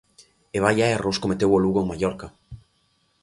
E vaia erros cometeu o Lugo en Mallorca.